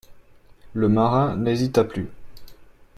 Le marin n'hésita plus.